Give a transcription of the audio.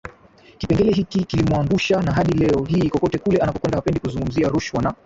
kipengele hiki kilimuangusha na hadi leo hii kokote kule anakokwenda hapendi kuzungumzia rushwa na